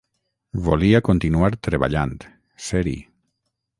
Volia continuar treballant, ser-hi.